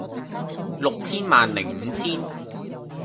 六千萬零五千